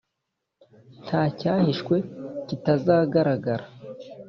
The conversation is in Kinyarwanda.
nta cyahishwe kitazagaragara